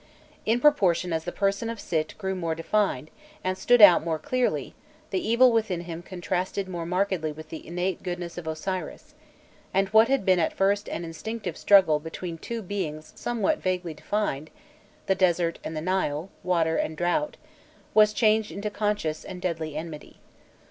In proportion as the person of Sît grew more defined, and stood out more clearly, the evil within him contrasted more markedly with the innate goodness of Osiris, and what had been at first an instinctive struggle between two beings somewhat vaguely defined the desert and the Nile, water and drought was changed into conscious and deadly enmity.